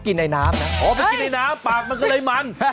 อ๋อกินในน้ำปากมาก็เลยมัน